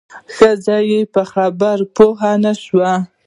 ښځه یې په خبره پوه نه شوه.